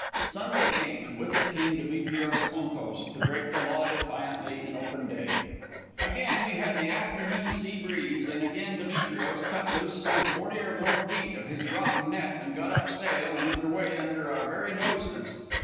Sunday came, and with it came Demetrios Contos, to break the law defiantly in open day. Again we had the afternoon sea breeze, and again Demetrios cut loose some forty or more feet of his rotten net, and got up sail and under way under our very noses.